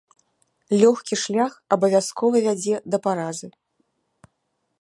Лёгкі шлях абавязкова вядзе да паразы.